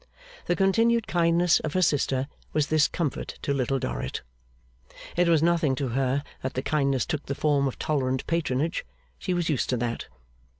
The continued kindness of her sister was this comfort to Little Dorrit. It was nothing to her that the kindness took the form of tolerant patronage; she was used to that.